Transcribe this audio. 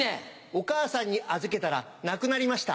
お母さんに預けたらなくなりました。